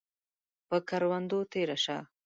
پۀ کروندو تیره شه